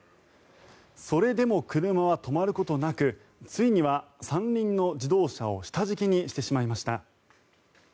それでも車は止まることなくついには３輪の自動車を下敷きにしてしまいました。